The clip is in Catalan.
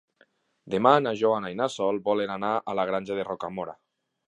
Demà na Joana i na Sol volen anar a la Granja de Rocamora.